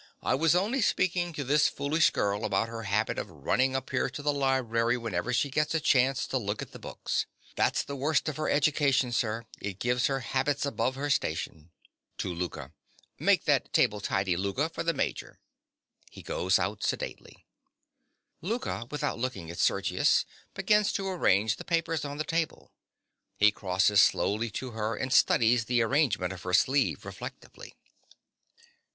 I was only speaking to this foolish girl about her habit of running up here to the library whenever she gets a chance, to look at the books. That's the worst of her education, sir: it gives her habits above her station. (To Louka.) Make that table tidy, Louka, for the Major. (He goes out sedately.) (_Louka, without looking at Sergius, begins to arrange the papers on the table. He crosses slowly to her, and studies the arrangement of her sleeve reflectively.